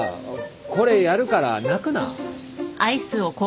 これやるから泣くな